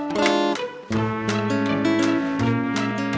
ผู้ลาที่รัก